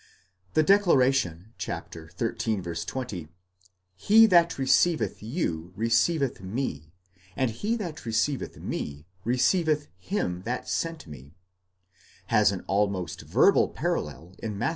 The declaration xiii. 20, He that receiveth you receiveth me, and he that receiveth me receiveth him that sent me, has an almost verbal parallel in Matt.